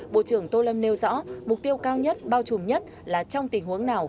bộ trưởng tô lâm nêu rõ mục tiêu cao nhất bao trùm nhất là trong tình huống nào